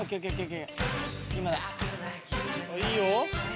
いいよ！